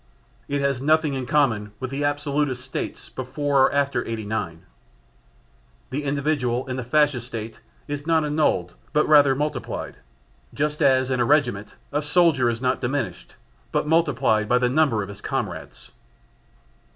It has nothing in common with the absolutist States before or after '89. The individual in the Fascist State is not annulled but rather multiplied, just as in a regiment a soldier is not diminished, but multiplied by the number of his comrades.